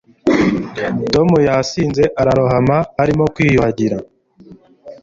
tom yasinze ararohama arimo kwiyuhagira